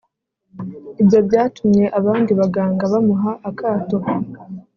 Ibyo byatumye abandi baganga bamuha akato